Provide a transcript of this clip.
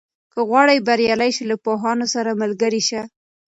که غواړې بریالی شې، له پوهانو سره ملګری شه.